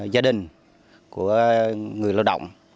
gia đình của người lao động